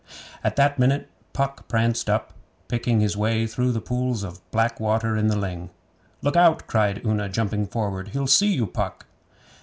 At that minute Puck pranced up, picking his way through the pools of black water in the ling. 'Look out!' cried Una, jumping forward. 'He'll see you, Puck!